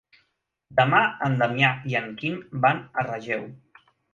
Demà en Damià i en Quim van a Relleu.